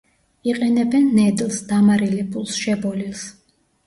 იყენებენ ნედლს, დამარილებულს, შებოლილს.